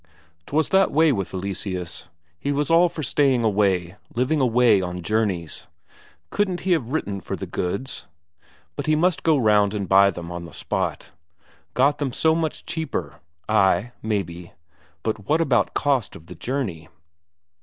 'Twas that way with Eleseus: he was all for staying away, living away on journeys. Couldn't he have written for the goods? But he must go round and buy them on the spot. Got them so much cheaper. Ay, maybe, but what about cost of the journey?